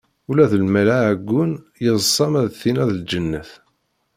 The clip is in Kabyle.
Ula d lmal aɛeggun yeḍṣa ma d tinna i d lǧennet.